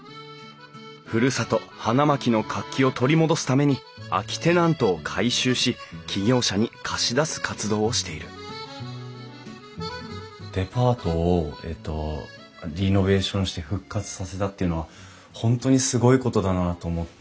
ふるさと花巻の活気を取り戻すために空きテナントを改修し起業者に貸し出す活動をしているデパートをリノベーションして復活させたっていうのは本当にすごいことだなと思って。